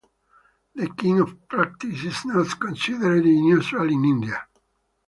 This kind of practice is not considered unusual in India.